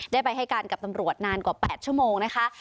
ได้ไปให้การกับตำรวจนานกว่า๘ชั่วโมงนะคะ